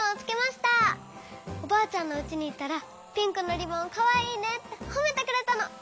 おばあちゃんのうちにいったらピンクのリボンかわいいねってほめてくれたの。